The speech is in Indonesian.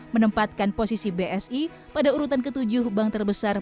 menempatkan posisi bsi pada urutan ketujuh bank terbesar